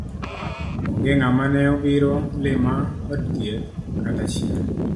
Onge ngama ne obiro lima od thieth kata achiel